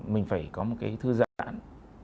mình phải có một cái thư giãn